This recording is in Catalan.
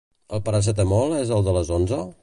El Paracetamol és el de les onze?